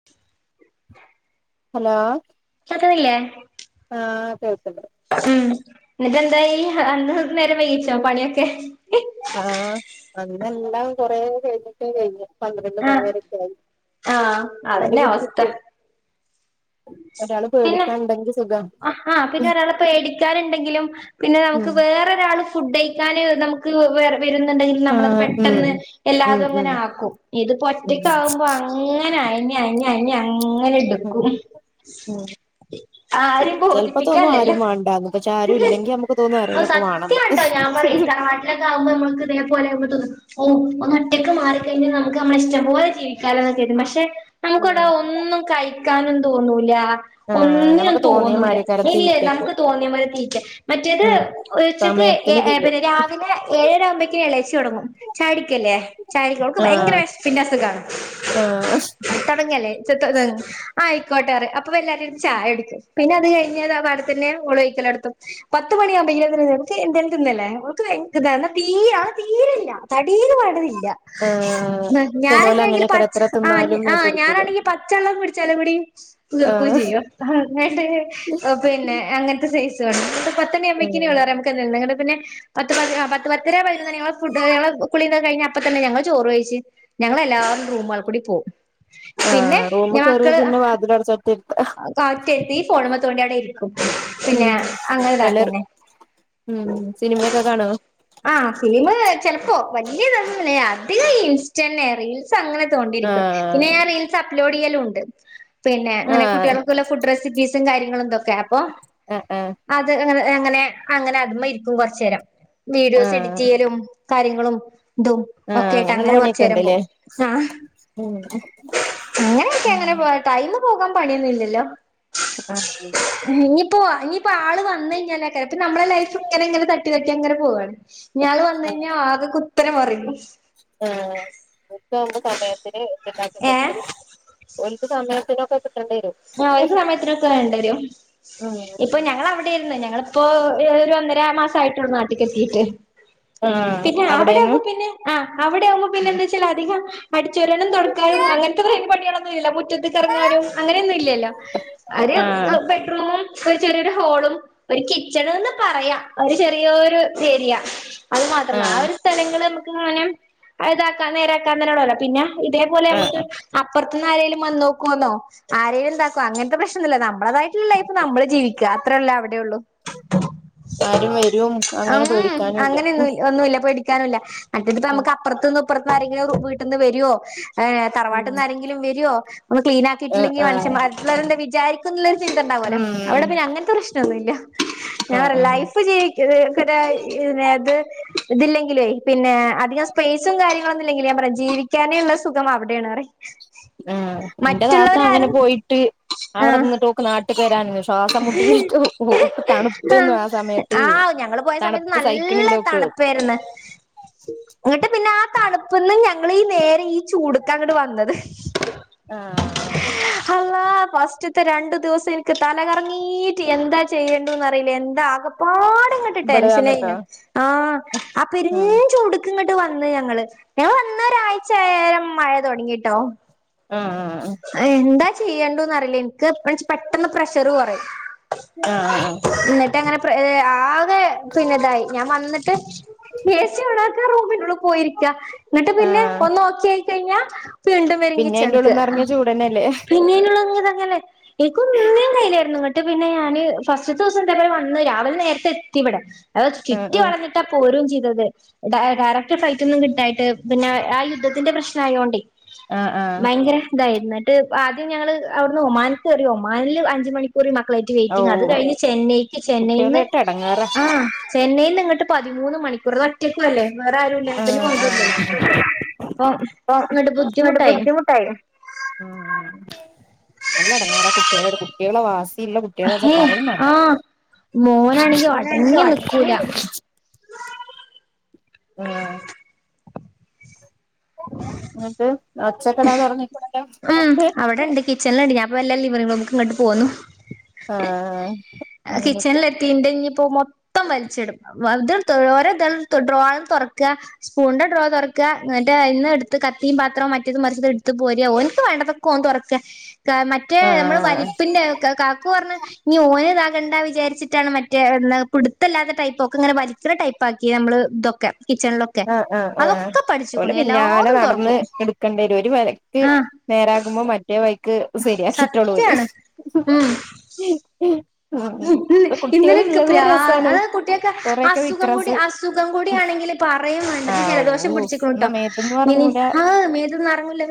[inaudible] Hello കേകുന്നില്ലേ ആഹ് കേൾക്ണ്ട് ഉം എന്നിട്ടന്തായി അന്ന് നേരം വേയിച്ചോ പണിയൊക്കെ ആഹ് അന്നെല്ലാം കൊറേ കഴിഞ്ഞിട്ടെ കയിഞ്ഞേ പന്ത്രണ്ട് ആഹ് മണിവരൊക്കെ ആയി ആഹ് മടി അതന്നെ അവസ്ഥ പുടിച്ചിട്ട് ഒരാള് പേടിക്കാണ്ടെങ്കി സുഖ അഹാ പിന്നെ ഒരാളെ പേടിക്കാാനുണ്ടെങ്കിലും പിന്നെ നമുക്ക് ഉം വേറൊരാൾ ഫുഡ്ഴിക്കാന് നമുക്ക് വെർ വരുന്നുണ്ടെങ്കിൽ നമ്മളത് ആഹ് ഉം പെട്ടെന്ന് ഉം എല്ലാതും ഉം അങ്ങനെ ആക്കും ഇത് ഇപ്പൊ ഉം ഒറ്റക്കാവുമ്പോ അങ്ങനെ അയഞ് അയഞ് അയഞ് അങ്ങനെ ഉം എടുക്കും ഉം ആരും ചെലപ്പോ തോന്നും ആരും ബോധിപ്പിക്കാല്ലല്ലോ വേണ്ടാന്ന് പക്ഷെ ആരും ഇല്ലെങ്കി നമ്മുക്ക് തോന്നും ആരേലൊക്കെ വേണന്ന് ദ് ആുമ്പോ ന മമ ൾക്ക് ഇതേ പോലെ വീട്ടിന്ന് ഓ ഒന്ന് ഒറ്റക്ക് മാറിക്കയിഞ്ഞ- നമുക്ക് നമ്മള ഇഷ്ടംപോലെ ജീവിക്കാലൊന്നൊക്കയ് കും പക്ഷെ നമുക്കിടാ ഉം ഒന്നും കയി ക്കാനും തോന്നൂല ആഹ് ഒന്നിനും ഞമ്മക്ക് തോന്നിയ തോന്നൂല മാരിയേക്കാരം ഇല്ലേ തീറ്റൊക്കെ നമുക്ക് തോന്നിയ മാരി തീറ്റ മറ്റേത് ഉം ഉച്ചക്ക് സമയത്തിന് ഏ തിന്നും പിന്നെ രാവിലെ ഏഴര ആവുമ്പോേക്ക് ഇളച്ചി തുടങ്ങും ചായുടിക്കല്ലേ ചാടിക്ക അവക്ക് ആഹ് ഭയങ്കര പിന്നെ അസുഖണോ ആഹ് തുടങ്ങല്ലേ ചത്ത ആ ആയിക്കോട്ടെ പറിം അപ്പൊ എല്ലാരും ഒരു ചായ എടുക്ക പിന്നെ അത് കഴിഞ്ഞല് ആ ആ ഭാഗത്തിന്നെ ഓളോഴിക്കലടത്തും പത്ത് മണിയാകുമ്പോക്ക് [unintelligible] എന്തായാലും തിന്നല്ലേ നക്ക് തീ ആ തീരല്ല തടീന്ന് പറി ണ തില്ല ആഹ് ഞാനൊക്കെ ആണെങ്കിൽ പ ചെലോലങ്ങനേക്കാരം എത്ര ആ തിന്നാലും ആ മേത്തൊലിക്കൂല ഞാനാണെങ്കിൽ പച്ചവെള്ളം കുടിച്ചാല കൂടി നിീർക്കും ആഹ് ചെയ്യും അങ്ങ പിന്നെ അങ്ങനത്തെ സൈസു ആണ് പത്തണി ഉം അമ്മക്കിന വിള്ളറ [unintelligible] പിന്നെ പത്ത് പ പത്ത് പത്തര പതിനൊന്ന് മണിയാവുമ്പംഫുഡ് കുളി ഒക്കെ കഴിഞ്ഞ അപ്പ തന്നെ ഞങ്ങള് ചോറ് വെയ്ച്ചു ഞങ്ങളെല്ലാവരും റൂമൾ കൂടി പോവും പിന്നെ ആഹ് റൂമ് ഞാൻ കേറിയ മക്കള് പിന്നെ വാതിലടച്ചൊറ്റയിരുത്താ കാ ഫോണമ ത്തോണ്ടി അവിടെ ഇരിക്കും പിന്നെ ഉം അങ്ങനെ എല്ലാരും ഇതാന്നെ ഉം സിനിമയൊക്കെ കാണോ ആ ഫിലിപ് ചെലപ്പോ വല്യ തൊന്നുല്ല അതികം ഇൻസ്റ്റെന്നെ റീൽസ് അങ്ങനെ തോണ്ടിരിക്കും പിന്നെ ആഹ് ഞാൻ റീൽസ് അപ്ലോഡ് ചെയ്യലും ഉണ്ട് പിന്നെ അങ്ങനെ ആഹ് കുട്ടികൾക്കുള്ള ഫുഡ് റെസിപ്പീസും കാര്യങ്ങളും എന്തൊക്കെ അപ്പൊ ഉം ഉം അത് അങ്ങനെ അങ്ങനെ അങ്ങനെ അത് മമ ഇരിക്കും കുറച്ചു നേരം വീഡിയോസ് ആഹ് എഡിറ്റ് ചെയ്യലും കാര്യങ്ങളും തും ആഹ് ഒക്കെ അങ്ങനെയുള്ള യായിട്ടങ്ങനെ കൊറച്ചു പണിയൊക്കെ നേരം ഉണ്ട്ല്ലേ പോവും ആ ഉം അങ്ങനെയൊക്കെ ഉം അങ്ങനെ പോ ടൈം പോകാൻ പണിയൊന്നുംല്ലല്ലോ ആഹ് ഇനിയിപ്പോ ഇനിയിപ്പോൊ ആള് വന്ന കഴിഞ്ഞാലക്കെ ഇപ്പ നമ്മുടെ ലൈഫ് അങ്ങനെങ്ങനെ തട്ടി തട്ടി അങ്ങനെ പോാണ് ഞാള് വന്ന കഴിഞ്ഞാൽ ആകെ കുത്തന മറിയും ആ ഉച്ചാവുമ്പം സമയത്തിന് ദ് ഉണ്ടാക്കി ഏഹ് കൊടക്കല് ഓൽക്ക് സമയത്തിനൊക്കെ കിട്ടേണ്ടി വരും ആ ഒരു സമയത്തിനൊക്കെ വേണ്ട വരും ഉം ഇപ്പൊ ഞങ്ങ ളവിടെയിരുന്നു ഞങ്ങള് ഇപ്പൊ ഒരു ഒന്നര മാസ ആയിട്ടുള്ളൂ നാട്ട്ക്ക് എത്തിട്ട് ആഹ് പിന്നെ അവിടേന്ന് അവിടെയാമ്പ പിന്നെ ആ അവിടെയാവുമ്പോ പിന്നെന്താച്ച അധികം അടിച്ച് വാരാനും തുടക്കാനും അങ്ങനത്തെ പണികളൊന്നും ഇല്ല മുറ്റത്ത്ക്ക് ഇറങ്ങാനും അങ്ങനെയൊന്നും ഇല്ല ഒരു ആഹ് ബെഡ്‌റൂമും ഒരു ചെറിയൊരു ഹോളും ഒരു കിച്ചണ്ന്ന് പറയാ ഒരു ചെറിയോരു ഏരിയ അത് മാത്രല്ല ആ ആഹ് ഒരു സ്ഥലങ്ങള് നമുക്ക് ങ്ങനെ ഇതാക്കാ നേരാക്കാൻ തന്നെയ ഉള്ളല്ലോ പിന്നെ ഇതേ പോലെ നമ്മക്ക് ആഹ് അപ്പുറത്ത്ന്ന് ആരേലും വന്ന് നോക്കോന്നോ ആരേം അങ്ങനത്തെ പ്രശ്നംന്നുല്ല നമ്മളതായിട്ടുള്ള ലൈഫ് നമ്മള് ജീവിക്കുക അത്രേല്ലേ അവിടെേയുള്ളു ആരും വരും ഉം അങ്ങനെ ആ പേടിക്കാനുല്ല അങ്ങനൊന്നും ഒന്നുല്ല പേടി ക്കാനുല്ല മറ്റ് ഇത് ഉം നമുക്ക് അപ്പുത്തുന്ന്പ്പുറത്തും ആരെങ്കിലും വീട്ടീന്ന് വരുവോ തറവാട്ടിന്ന് ആരെങ്കിലും വരോ നമ്മൾ ക്ലീൻ ആഹ് ആക്കിയിട്ടില്ലെങ്കിൽ ആഹ് മനുഷ്യൻമാർ എന്തെങ്കിലും വിചാരിക്കോ ക്കും ചിന്ത ഉണ്ടാവോലോ ഉം അവിടെ പിന്നെ അങ്ങനത്തെ പ്രശ്നം ഒന്നുല്ല ഞാൻ ഉം പറ ഉം ലൈഫ് ജീവി [unintelligible] ഇതിനേത് ഇതില്ലെങ്കിലേ പിന്നെ അധികം സ്പേസ് സും കാര്യങ്ങളും ഇല്ലെങ്കിലും ഞാൻ പറയും ജീവിക്കാനേള്ള സുഖം അവടെയാണ് പറയും. ആഹ് എന്റെ താത്ത അങ്ങനെ മറ്റുള്ളവരാരും പോയിട്ട് അവടെ ആഹ് നിന്നിട്ട് നാട്ടിക്ക് വരാന്നു ശ്വാസം മുട്ടീട്ട് ഓൾക്ക് തണുപ്പേന്നും ആഹ് ആ സമയത്ത് ആഹ് ഞങ്ങള് പോയ സമയത്ത് തണുപ്പ് നല്ല സഹിക്കണില്ല ഓക്ക് തണുപ്പേരുന്നു എന്നട്ട് പിന്നെ ആഹ് തണുപ്പ്ന്ന് ഞങ്ങളീ നേരെ ഈ ചൂടുക്കാ അങ്ങട്ട് വന്നത് ആഹ് അല്ലാഹ് ഫസ്റ്റ്ത്തെ രണ്ടു ദിവസം എനിക്ക് തലകറങ്ങീട്ട് എന്താ ചെയ്യണ്ടന്ന്റിയില്ല എന്താ ആകപ്പാടെങ്ങ ട്ട് ഇവിടെ വന്നിട്ടോ ടെൻഷനായിന് ആഹ് ആ പെരും ആഹ് ചൂട ക്ക് വന്ന് ഞങ്ങള് ഞങ്ങള് വന്ന് ഒരാഴ്ച അയേരം മഴ തൊടങ്ങിട്ടോ ആഹ് ആഹ് ആഹ് എന്താ ചെയ്യേണ്ടു അറിയില്ല എനിക്ക് പെട്ടെന്ന് പ്രഷറ് കൊറയും ആഹ് ആഹ് എന്നിട്ട് അങ്ങനെ ന്നെ പിന്നെതായി ഞാൻ വന്നിട്ട് എ സി ഓണാക്കാ റൂമിനുള്ളി പോയിരിക്കാ എന്നിട്ട് പിന്നെ ആഹ് ഒന്ന് ഓക്കേ ആയി കഴിഞ്ഞ വീണ്ടും വരും പിന്നെ അയിന്റെ ഉള്ളിൽ കിച്ചണിക്ക് നിറഞ്ഞ ചൂടന്നെല്ലേ പിന്നീള്ള ഇതങ്ങല്ലേ എനിക്കൊന്നി [unintelligible] ഇങ്ങട്ട് പിന്നെ ഞാന് ഫസ്റ്റ് ദിവസം ഇതേപോലെ വന്ന് രാവിലെ നേരത്തെത്തി ഇവടെ ആഹ് കിട്ടിയ ആഹ് പാടന്നെ ട്ട പോരും ചെയ്തത് ഡയ ഡയറക്ട് ഫ്ലൈറ്റ് ഒന്നും കിട്ടായിട്ട് പിന്നെ ആ യുദ്ധത്തിന്റെ പ്രശ്നം ആയോണ്ടേ ആഹ് ആഹ് ഭയങ്കര ഇതായി എന്നിട്ട് ആദ്യം ഞങ്ങള് അവിടുന്ന് ഒമാൻക്ക് കേറി ഒമാനിൽ അഞ്ച് മണി ക്കൂറ് മക്കളായിട്ട് ഓ വെയിറ്റിങ് അത് കഴിഞ്ഞ് ചെന്നൈക്ക് ചെന്നൈന്ന് കുട്ടികളായിട്ട് എടങ്ങേറാ ആഹ് ചെന്നൈയിന്ന് ഇങ്ങട്ട് പതിമൂന്ന് മണിക്കൂർ ഒറ്റക്കുവല്ലേ വേറെ ആഹ് ആരുംല്ലല്ലോ ആഹ് [unintelligible] അപ്പൊ ഇപ്പം എന്നട്ട് ബുദ്ധിമുട്ടായി ആഹ് നല്ല എടേങ്ങേറാ കുട്ടികളെ കുട്ടികളെ വാസിള്ള കു ട്ടി കളച്ച ഹേ പറയും വേണ്ട ആഹ് മോനാണെങ്കി ഓൻ അടങ്ങി നിക്കൂല ആണെങ്കി [unintelligible] ആഹ് ന്നിട്ട് [unintelligible] ഉം അവടെണ്ട് കിച്ചണിലുണ്ട് ഞാൻ പ്പോ വെല്ലേ ലിവിംഗ് റൂമിക്ക് ഇങ്ങോട്ട് പോന്നു ആഹ് അങ്ങനൊക്കെ തീന്റെഞ്ഞിപ്പോ മൊത്തം വലിച്ചിടും ഇ ഓരോ ഡ്രോയർ തൊറക്കാ സ്പൂണിന്റെ ഡ്രോ തൊറക്കാ എന്നിട്ട് അയ്‌ന്ന് എടുത്ത് കത്തിയും പാത്രവും മറ്റേത് മറിച്ചതും എടുത്ത് പോരാ ഓൻ ക്ക് വാണ്ടതൊക്കെ ഓൻ തൊറക്ക മറ്റേ നമ്മള് ആഹ് വലിപ്പിന്റെ കാക്കു പറഞ്ഞ ഇനി ഓന് ഇതാകണ്ട വിചാരിച്ചിട്ടാണ് മറ്റേ പുടുത്തല്ലാത്ത ടൈപ്പ് ഒക്കെ ഇങ്ങനെ വലിക്കണ ടൈ പ്പാക്കി നമ്മള് ഇതൊക്കെ കിച്ചണിലൊ ആഹ് ആഹ് ആഹ് ഓലെ പിന്നാലെ നടന്ന് തുറക്കും എടുക്കണ്ടി വരും ഒരു ആഹ് [unintelligible] നേരാകുമ്പോ മറ്റേ വൈക്ക് സെരിയാക്കിട്ടോല് സത്യാണ് ഉം ഇന്നലെ എനിക്ക് പ്ര രസാണ് അതാ കുട്ടികക്ക് കൊറെയൊക്കെ അസുഖം കൂടി വിക്രാസ് അസുഖം കൂടി ആണെങ്കില് പറയും വേണ്ടത് ജലദോഷം ആവൂ പിടിച്ചിക്കണു എന്നാ കേട്ടോ മേത്ത്ന്നും മിനി എറങ്ങൂല ആഹ് മേത്തുന്ന് എറങ്ങൂല്ല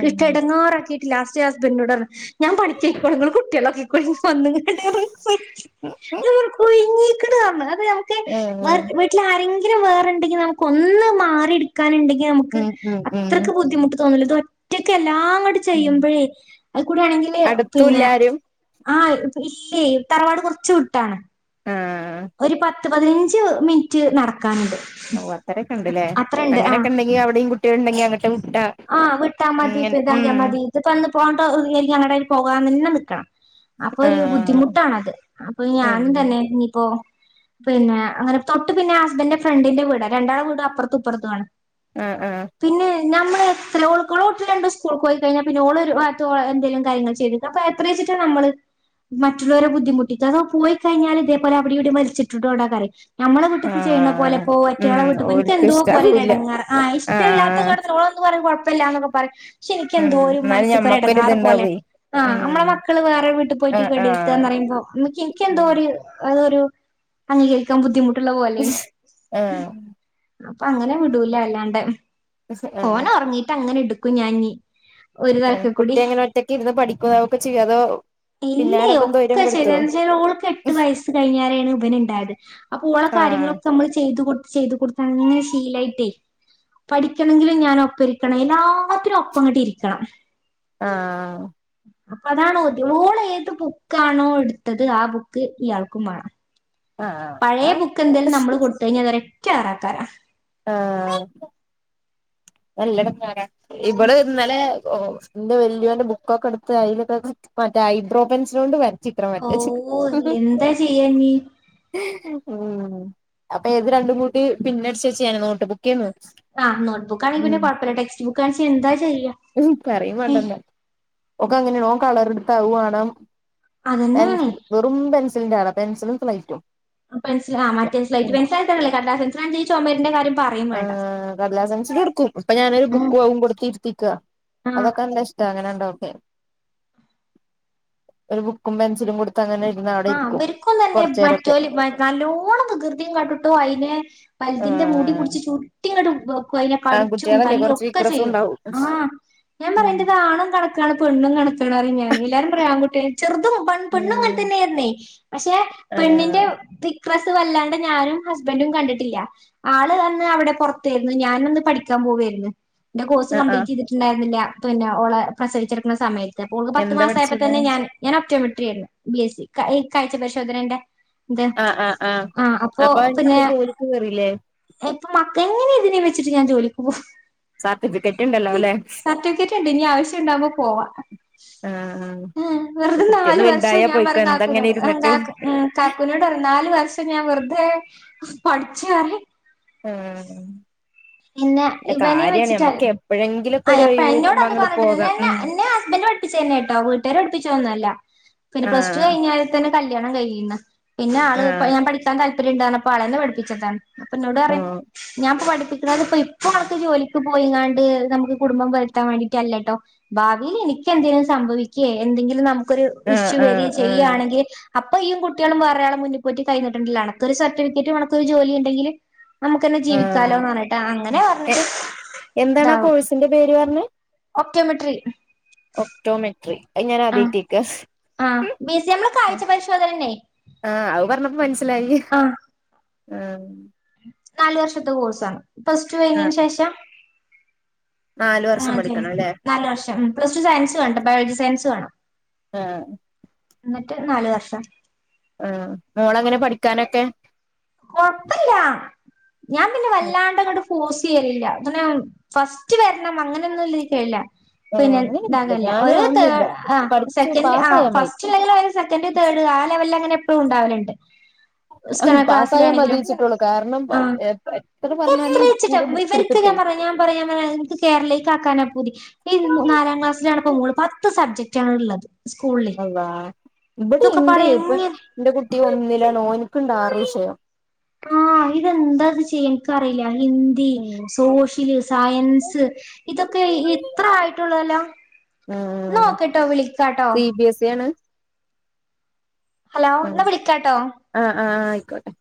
ഉം എടങ്ങേറാക്കി ലാസ്റ്റ് ഹസ്ബൻഡോട് പറഞ്ഞു ഞാൻ പണിക്ക്യോക്കോളാം ഇങ്ങള് കുട്ടികളൊ നോക്കിക്കോളി വന്ന [unintelligible] [unintelligible] ഉം കൊഴിഞ്ഞിക്കണ് പറഞ്ഞ് അത് നമ്മക്ക് [unintelligible] വീട്ടിലാരെങ്കിലും വേറെണ്ടെങ്കിൽ നമുക്ക് ഒന്ന് മാറിടു ക്കാനുണ്ടെങ്കി നമുക്ക് ഉം ഉം ഉം അത്രക്ക് ബുദ്ധിമുട്ട് തോന്നൂല്ല അത് ഒറ്റക്കെ എല്ലാംകുടി ഉം ചെയ്യുമ്പോഴേ അത് കൂടെ ആണെങ്കില് പിന്നെ അടുത്തൂല്ലാരും ആഹ ഇല്ലെ തറവാട് കുറച് വിട്ടാണ് ആഹആാാാാ ഒരു പത്ത് പതിനഞ്ച് മിനിറ്റ് നടക്കാനുണ്ട് ഓ അത്രയൊക്കെ ഉണ്ടല്ലേ അത്രണ്ട് ആഹ് അങ്ങനൊക്കെ ഉണ്ടെങ്കി അവിടെയും കുട്ടികള ഉണ്ടെങ്കി അങ്ങട്ട കുട്ടാ ആഹ് വിട്ടാൽ മതി ഇപ്പ ഇതാക്കിയ മതി ഇപ്പന്ന് പോകണ്ടരിക്കും അങ്ങടൽ പോകാന്ന്ന്നെ നിൽക്കണം അപ്പൊ ഒരു ആഹ് ബുദ്ധിമുട്ടാണത് അപ്പൊ ഉം ഞാനും തന്നെ ഇനിയിപ്പോ പിന്നെ അങ്ങനെ തൊട്ട് പിന്നെ ആ ഹസ്ബൻഡന്റെ ഫ്രണ്ടിന്റെ വീട രണ്ടാെ വീട് അപ്പുറത്തുപ്പുറത്ത വണ് ആഹാ ഹാ പിന്നെ നമ്മളെ ചിലഓൾക്കോ ഒട്ട് രണ്ട സ്കൂൾ പോയി കഴിഞ്ഞാൽ പിന്നെഓ ഒരു എന്തെലും കാര്യങ്ങ ചെയ്ത് അപ്പോ എത്രച്ചിട്ടാണ് നമ്മള് മറ്റുള്ളവരെ ബുദ്ധിമുട്ട് അത് പോയിഴിഞ്ഞാ ഇതേപോലെ അടെവിടെ മരിച്ചിട്ടോടാ കിയയും മ്മളെ കീട്ട ചെയ്യണ പോലെ ആഹ് പോ ഉം ഒറ്റകളെ വീട്ടിപ്പോ എനിക്ക് ഓൽക്ക് എന്തതു പോലെ ഇഷ്ടാവൂല്ല ഇടങ്ങാറ് ആഹ ഇഷ്ടല്ലാത്ത ആഹ് കട പറ കുഴപ്പമില്ലാന്നൊക്കെ പറയായും പക്ഷെ എനിക്ക് ഉം എന്തോ ഒരു എന്നാലും മനസ്സക്കൊ ഞമ്മക്കൊരു ഇടങ്ങാറ് പോലെ ഇത്ണ്ടാവേ ആഹ് നമ്മടെ ഉം മക്കള് വേറെ വീട്ടിൽ പോയിട്ട് ആഹ് [inaudible] ത്തന്ന് ആഹ് പറയുമ്പോ നമക്ക് എനക്ക് എന്തോ ഉം ഒരു അതൊരു അംഗീകരിക്കാൻ ബുദ്ധിമുട്ടുള്ള പോലെയാണ് ആഹ് അപ്പൊ അങ്ങനെ വിടൂല അല്ലാണ്ട് ആഹ് ഓന ഉറങ്ങീട്ട് അങ്ങനെ എടുക്കും ഞാൻ കുട്ടി അങ്ങനെ ഒറ്റക്കെ ഇരുന്ന് പഠിക്കുന്നോ ഒക്കെ ചെയ്യാതോ ഇല്ല ഒക്കെ ചെച്ചാൽ ഓൾക്കെ എട്ട് വയസ് കഴിഞ്ഞരാണ് ഇവൻ ഉണ്ടായത് അപ്പ ഓള്ള ആഹ് കാര്യങ്ങളൊക്കെ നമ്മള് ചെയ്ത് കൊടുത്ത് ചെയ്ത് കൊടുത്താങ്ങനെ ശീലായിട്ടേ പഠിക്കണമെങ്ക ഞാന ഒപ്പം ഇരിക്കണം എല്ലാത്തിനും ഒപ്പം ഇങ്ങോട്ടി ഇരിക്കണം ആഹ അപ്പൊ അതാണോ ഓൾ ഏത് ബുക്കാണോ എടുത്തത് ആ ബുക്ക് ഇയാൾക്കും വേണം ആഹ് പഴയ ആഹ് ബുക്ക് എന്തേലും നമ്മള് കൊടുത്തു കഴിഞ്ഞാ അതൊ ഒറ്റ എറക്കാരാ ആഹ നല്ലടക്കാരാ ഇവിടെ ഇന്നലെ ഓ എന്റെ വല്ല്യവിന്റെ ബുക്കൊക്കെ എടുത്ത് അതിലൊക്കെ മറ്റേ ഹൈബ്രോ പെൻസിൾ കൊണ്ട് വര ഓ എന്താ ചെയ്യാ നീ ഉം അപ്പൊ ഏത് രണ്ടും കൂട്ടി പിന്നടിച്ചച്ച്യാന നോട്ട് ബുക്ക് ചെയന്നു ആഹ് നോട്ട്ബുക്ക ആണങ്കിൽ പിന്നെ കുഴപ്പമില്ല ടെക്സ്റ്റ് ബുക്കണ എന്താ ചെയ്യ ഒക്കെ അങ്ങനെയണോ ഓൻ കളർ എടുത്താ അത് വണം അതന്നെയാണ് പെൻസിൽ വെറും പെൻസിലിന്റെ ആട പെസിലും തളക്കും പെസൽ ആ മറ്റെൻസിലായിട്ട പെസിലായി തരല്ലേ കാര ആ സെസിലാ ച് ചുമമ്പേരിന്റെ കാര്യ പറയും വേണ്ട ലൈസൻസ് കൊടുക്കും ഇപ്പൊ ഞാനൊരു ബുക്ക് വകും കൊടുത്തിരുത്തിക്കുക ആഹ് അതൊക്കെ എന്താ അങ്ങന ക്കെ ഒരു ബുക്കും പെൻസിലും കൊടു അങ്ങനെ ഇരുന്നാൽ ആഹ അവരിക്കൊന്നും തന്നെ മറ്റോല നല്ലോണം വികൃതിയും കാട്ടുട്ടോ അയിനെ വലുതിന്റെ മൂടി ആഹ് പിടിച്ച് ചുടറ്റി അങ്ങട്ട് അയിനെ ആൺകുട്ടികളല്ലേ കടിച്ചുംതല്ല് കുറച്ച് ഒക്കെ വിക്രസും ചെയ്യും ഉണ്ടാവും ആഹ ഞാൻ ഉം പറയണ്ടത് ആണ കണ പെണ്ണും കണക്കാണ് ഞാന് എല്ലാവാരുംയാകട്ടെ ചെറു പണ് പിന്നെ ഉം പറഞ്ഞ് പക്ഷെ ആഹ് പെണ്ണിന്റെ പി ക്രസ് വല്ലാണ്ട് ഞാനും ഹസ്ബൻറും കണ്ടിട്ടില്ല ആള് അന്ന് അവിടെ പുറത്തായിരുന്നു ഞാന ഒന്ന് പഠിക്കാൻ പോവായിരുന്നു എന്റെ കോഴ്സ് ആഹ് ആഹ് കംപ്ലീറ്റ് ചെയ്തിട്ടുണ്ടായിരുന്നില്ല പിന്നെ ഓളെ പ്രസവിച്ചെടുക്കുന്ന സമയത്ത് ഓൾക് പത്ത് എന്താ മാസ ആയപ്പോ പഠിച്ചീനെ തന്നെ ഞാൻ ഞാൻ ഒപക്റ്റോമെട്രി ആയിരുന്നു ബി എസ് സി കാഴ്ച പരിശോധനന്റെ അതെ ആഹ് ആഹ് ആഹ് അപ്പൊ പിന്നെ ഇപ്പൊ ജോലിക്ക് കേറില്ലേ ഇപ്പൊ മക്കള [unintelligible] എങ്ങനെ ഇതിനെ വച്ചിട്ട് ഞാൻ ജോലിക്ക് പോകും. സാർട്ടിഫിക്കറ്റ് ഇണ്ടല്ലൊല്ലെ. ഇണ്ട്. ഇനി ആവശ്യം ഇണ്ടാവുമ്പോ പോവ. ആഹ് ആ. നാല് കുട്ട്യാെന്ന് വർഷം വെല്തായ പോയിക്കൊ. എന്ത ഇങ്ങനെ ഇര്ന്ന്ട്ട്. കാക്കുനോട് അറിം. നാല് വർഷം ഞാൻ വെറുതെ പഠിച്ചാല്. ആഹ് പിന്നെ പി കാര്യാണ് അമ്മക്ക് എപ്പഴെ ആ എപ്പ എന്നോട് അത് പറഞ്ഞിട്ടില്ല. എന്ന എന്നെ ഹസ്ബൻഡറ് പഠിപ്പിച്ചു തന്നെ കെട്ടോ വീട്ടാര് പഠിപ്പിച്ചോന്നു അല്ല. പിന്നെ പ്ലസ്ടു ആഹ് കഴിഞ്ഞാല്. തന്നെ കല്യാണം കഴിണ്. പിന്നെ ആള് ഇ ആഹ് ഞാൻ പഠിക്കാൻ താല്പര്യം ഇണ്ടാണ്. അപ്പോ ആളെന്നെ പഠിപ്പിച്ചതാണ്. അപ്പ ഇന്നോട് പറിം. ഓഹ് ഞാൻ പഠിപ്പിക്ക്ണത് ഇപ്പ ഇപ്പ അൻ ക്ക് ജോലിക്ക് പോയിങ്ങാണ്ട് നമക്ക്. ഈ കുടുംബം വരുത്താൻ വേണ്ടിട്ടല്ലട്ടൊ. ഭാവില് എനിക്ക് എന്തെങ്കിലും സംഭവിക്കെ എന്തെങ്കിലും നമുക്ക് ക്കൊരു ആഹ് ഇഷു വരെ ആഹ് ആഹ് ചെയ്യാണെങ്കില് - - അപ്പ ഈയും കുട്ട്യേളും വേറെരാളെ മുന്നി പോയിട്ട് കയ്നീട്ടണ്ടല്ലൊ. അനക്കൊരു സർട്ടിഫിക്കറ്റും അനക്കൊരു ജോലി ഇണ്ടെങ്കില് നമുക്കന്നെ ആഹ് ജീവിക്കാലോന്ന് പറഞ്ഞിട്ട് അങ്ങനെ എ പറഞ്ഞിട്ട് എന്താണ് ആ ഇതാവും. കോഴ്സിന്റെ പേര് പറഞ്ഞ് ഒക്കെ മിട്രി ഒഓക്ടോമെട്രി അത് ഞാനാദ്യായ്റ്റേക്ക. ആ മ്യസിയ അമ്മള് കാഴ്ച പരിശോധനന്നെ. ആഹ്. അത് പറഞ്ഞപ്പം മനസ്സിലായി. ആഹ് ഉം നാല് വർഷത്തെ കോഴ്സാണ്. പ്ലസ് ടു ആഹ് കഴിഞ്ഞേന് ശേഷം. നാല് വർഷം ആതെ പഠിക്കണം അല്ലേ നാല് വർഷം. ഉം പ്ലസ് ടു സയൻസ് വേണ്ട. ബയോളജി സയൻസ് വേണം. ഏഹേ ഇന്നട്ട് നാല് വർഷം. ആ മോളങ്ങനെ പഠിക്കാനൊക്കെ. കൊഴപ്പല്ല. ഞാൻ പിന്നെ വല്ലാണ്ട ഇങ്ങട്ട് പോസ് ചെയൽല്ല. ഇങ്ങനെ ഫസ്റ്റ് വര്ണം അങ്ങനെ ഒന്നുല്ല ക [unintelligible] ല്ല ആഹ് പിന്നെ അങ്ങനെയൊന്നുല്ല ഇതാകല്ല. ഞാനും ഒരു തേട് അതൊന്നുല്ല ആ പഠിച്ചു സെക്കൻഡ് ആ പാസ്സായാ മതി ഫസ്റ്റ് ഇല്ലെങ്കിലും ഓന് സെക്കന്റ് തേട് ആ ലെവൽല്ല് അങ്ങനെ എപ്പളും ഉണ്ടാവല്ണ്ട് [unintelligible] പാസ്സായാ ആണെങ്കിലും. മതിച്ചിട്ടുള്ളൂ കാരണം ആ എത്ര പറഞ്ഞാലും എത്രേചിട്ട ഇരിക്കൂല ബുക്ക് ഇവർക്ക് എടുത്തിട്ടേ ഞാൻ പറ്യ ഞാൻ പറ്യ കേരളീക്കാക്കാന പൂതി. ഈ നാലാം ക്ലാസ്സിലാണ്പ്പോ മോള്. പത്ത് സബ്ജക്റ്റ് ആണ് ഇള്ളത്. അള്ളാ. ഇബടിം ഇണ്ട്. പാടെ ഇപ്പൊ എങ്ങനെ എന്റെ കുട്ടി ഒന്നിലാണ്. ഓൻക്ക് ഇണ്ട് ആറ് വിഷയം. ആഹ് ഇതെന്താ അത് ചെയ്യ ഇൻക്കറീല്ല ഹിന്ദി, ഉം സോഷ്യലി സയൻസ്, ഇതൊക്കെ ഇത്ര ആയിട്ടൊള്ളല്ലൊ. ഇന്നാ ഉം ഓക്കെട്ടോ വിളിക്കാട്ടൊ. സി ബി എസ്സേണ്. ഹലോ ഇന്നാ വിളിക്കാട്ടോ. ആഹ് ആഹ്. ആയിക്കോട്ടെ. ! ! ! ! ! ! ! ! ! ! !